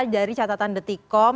dari catatan detikom